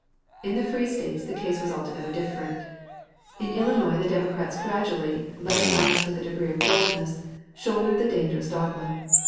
In the free States the case was altogether different. In Illinois the Democrats gradually, but at last with a degree of boldness, shouldered the dangerous dogma.